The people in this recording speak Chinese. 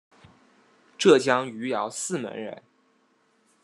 浙江余姚泗门人。